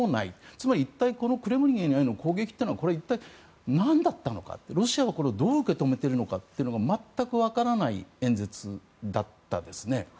つまり、一体、このクレムリンへの攻撃というのはこれ一体、なんだったのかとロシアはこれをどう受け止めているのか全くわからない演説でしたね。